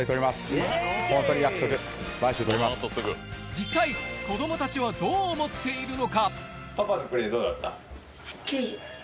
実際、子供たちはどう思っているのか？